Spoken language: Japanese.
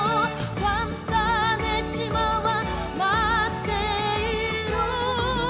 「ファンターネ島はまっている」